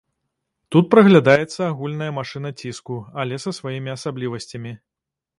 Тут праглядаецца агульная машына ціску, але са сваімі асаблівасцямі.